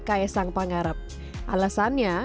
kayak sang pengarap alasannya